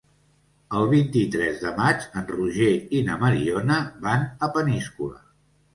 El vint-i-tres de maig en Roger i na Mariona van a Peníscola.